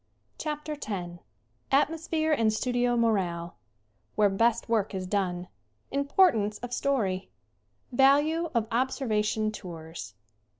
CHAPTER X Atmosphere and studio morale Where best work is done Importance of story Value of 'Observation Tours."